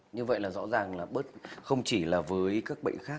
như vậy là rõ ràng là bớt không chỉ là với các bệnh khác